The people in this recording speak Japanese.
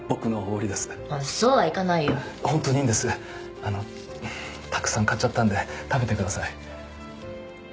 あのたくさん買っちゃったんで食べてください。